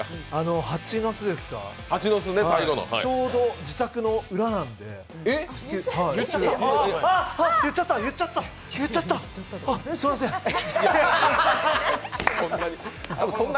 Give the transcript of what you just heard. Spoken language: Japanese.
巣ですか、ちょうど自宅の裏なんであ、言っちゃった、言っちゃった、あすみません。